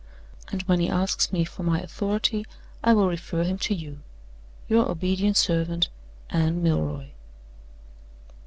And when he asks me for my authority, I will refer him to you. "Your obedient servant, ANNE MILROY."